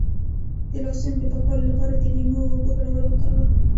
د لاسونو د پاکوالي لپاره د لیمو او اوبو ګډول وکاروئ